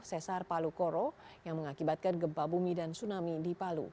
sesar palu koro yang mengakibatkan gempa bumi dan tsunami di palu